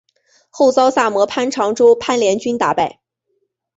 后遭萨摩藩长州藩联军打败。